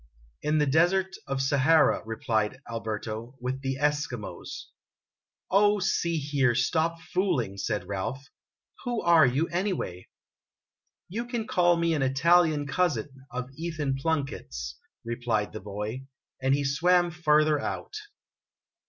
"In the Desert of Sahara," replied Alberto, "with the Eskimos." "Oh, see here, stop fooling!" said Ralph. "Who are you, any way ?"" You can call me an Italian cousin of Ethan Plunkett's," replied the boy, and he swam further out.